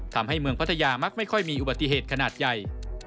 ทำให้เมืองพัทยามักไม่ค่อยมีอุบัติเหตุขนาดใหญ่